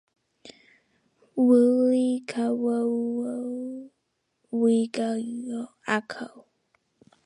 W'uli ghwawo w'eghua icho.